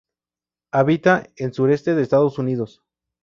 Habita en sureste de Estados Unidos.